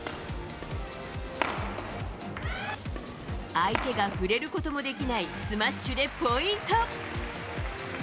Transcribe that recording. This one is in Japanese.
相手が触れることもできないスマッシュでポイント。